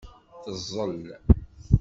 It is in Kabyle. Teẓẓel.